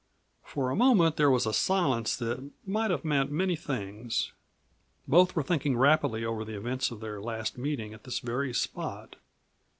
For a moment there was a silence that might have meant many things. Both were thinking rapidly over the events of their last meeting at this very spot.